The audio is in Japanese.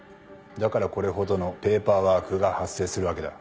だからこれほどのペーパーワークが発生するわけだ。